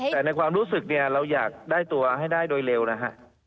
แต่ในความรู้สึกเนี่ยเราอยากได้ตัวให้ได้โดยเร็วนะฮะ